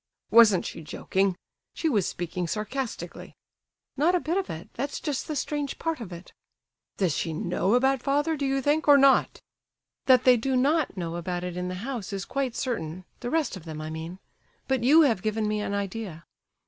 "Wasn't she joking? She was speaking sarcastically!" "Not a bit of it; that's just the strange part of it." "Does she know about father, do you think—or not?" "That they do not know about it in the house is quite certain, the rest of them, I mean; but you have given me an idea.